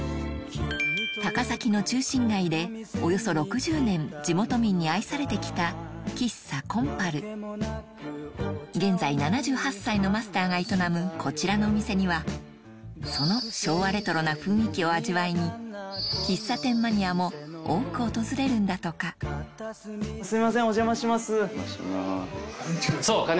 高崎の中心街でおよそ６０年地元民に愛されてきた現在７８歳のマスターが営むこちらのお店にはその昭和レトロな雰囲気を味わいに喫茶店マニアも多く訪れるんだとか今日の相棒